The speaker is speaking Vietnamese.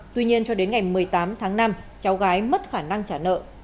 tuy nhiên cho đến ngày một mươi tám tháng năm cháu gái mất khả năng trả nợ